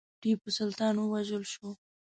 ټیپو سلطان ووژل شو.